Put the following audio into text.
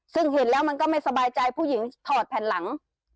ซึ่งเห็นแล้วมันก็ไม่สบายใจผู้หญิงถอดแผ่นหลัง